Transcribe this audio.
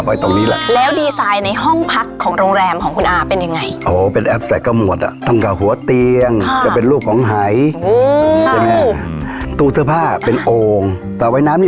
ตรงนี้แหละแล้วดีไซน์ในห้องพักของโรงแรมของคุณอาเป็นยังไง